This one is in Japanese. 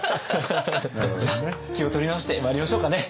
じゃあ気を取り直してまいりましょうかね。